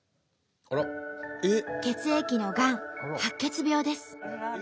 血液のがん白血病です。